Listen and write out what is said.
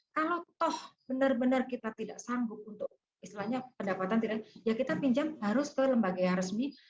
kalau toh benar benar kita tidak sanggup untuk istilahnya pendapatan ya kita pinjam harus ke lembaga yang resmi